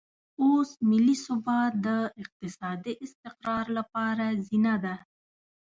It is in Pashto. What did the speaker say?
اوس ملي ثبات د اقتصادي استقرار لپاره زینه ده.